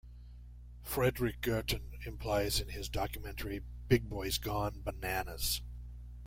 Fredrik Gertten implies in his documentary Big Boys Gone Bananas!